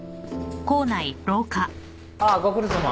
ああご苦労さま。